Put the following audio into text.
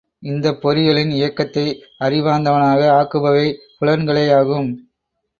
இந்தப் பொறிகளின் இயக்கத்தை அறிவார்ந்தனவாக ஆக்குபவை புலன்களேயாகும்.